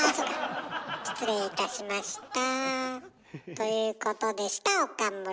ということでした岡村。